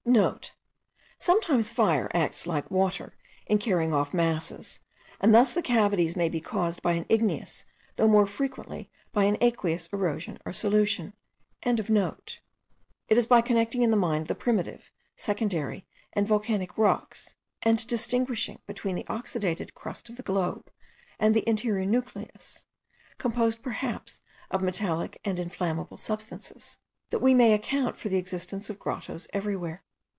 (*Sometimes fire acts like water in carrying off masses, and thus the cavities may be caused by an igneous, though more frequently by an aqueous erosion or solution.) It is by connecting in the mind the primitive, secondary, and volcanic rocks, and distinguishing between the oxidated crust of the globe, and the interior nucleus, composed perhaps of metallic and inflammable substances, that we may account for the existence of grottoes everywhere.